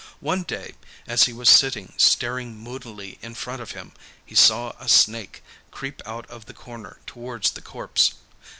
One day as he was sitting staring moodily in front of him, he saw a snake creep out of the corner towards the corpse.